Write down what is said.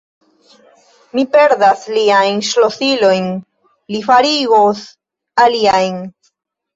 Mi perdas liajn ŝlosilojn: li farigos aliajn.